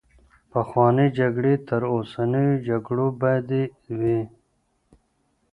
پخوانۍ جګړې تر اوسنيو جګړو بدې وې.